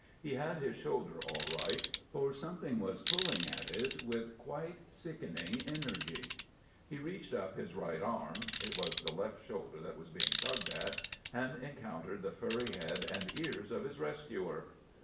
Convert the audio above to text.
He had his shoulder all right, for something was pulling at it with quite sickening energy. He reached up his right arm—it was the left shoulder that was being tugged at—and encountered the furry head and ears of his rescuer.